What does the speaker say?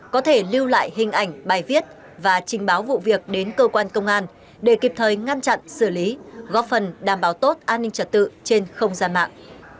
có thể lưu lại hình ảnh bài viết và trình báo vụ việc đến cơ quan công an để kịp thời ngăn chặn xử lý góp phần đảm bảo tốt an ninh trật tự trên không gian mạng